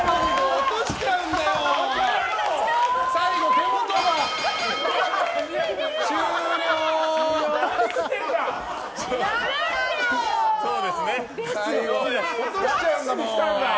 落としちゃうんだもん。